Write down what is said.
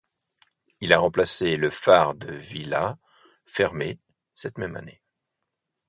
Il a remplacé le phare de Villa fermé cette même année.